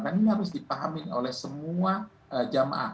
dan ini harus dipahami oleh semua jamaah